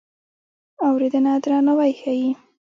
اورېدنه درناوی ښيي.